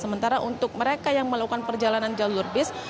sementara untuk mereka yang melakukan perjalanan jalur bis